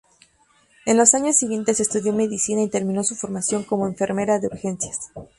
En los años siguientes estudió medicina y terminó su formación como enfermera de urgencias.